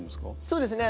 そうですね